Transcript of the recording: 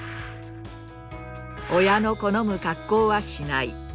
親の好む格好はしない。